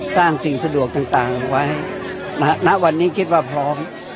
สิ่งสะดวกต่างไว้ณวันนี้คิดว่าพร้อม